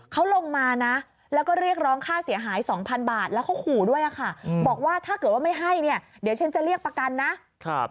เขาลงมานะแล้วก็เรียกร้องค่าเสียหายสองพันบาทแล้วเขาขู่ด้วยอะค่ะบอกว่าถ้าเกิดว่าไม่ให้เนี่ยเดี๋ยวฉันจะเรียกประกันนะครับ